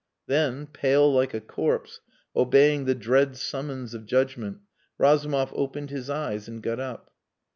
Then, pale like a corpse obeying the dread summons of judgement, Razumov opened his eyes and got up.